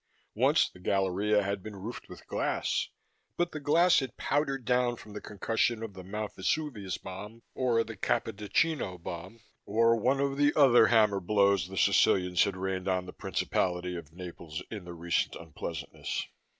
Once the galleria had been roofed with glass, but the glass had powdered down from the concussion of the Mt. Vesuvius bomb, or the Capodichino bomb, or one of the other hammerblows the Sicilians had rained on the principality of Naples in the recent unpleasantness.